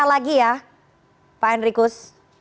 tersangka lagi ya pak henrikus